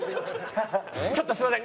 ちょっとすみません。